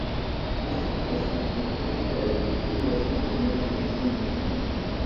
L’instrumentation est compatible avec l’utilisation de lunettes de vision nocturne.